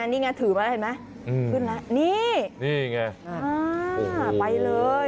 นี่ไงถือมาแล้วเห็นไหมขึ้นแล้วนี่นี่ไงไปเลย